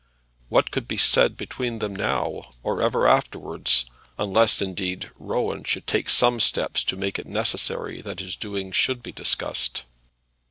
What could be said between them now, or ever afterwards, unless, indeed, Rowan should take some steps to make it necessary that his doings should be discussed?